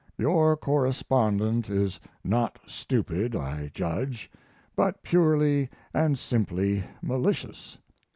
Your correspondent is not stupid, I judge, but purely and simply malicious.